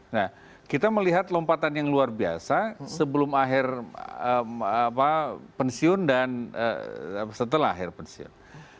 nah kita melihat lompatan yang luar biasa sebelum akhir pensiun dan setelah akhir pensiun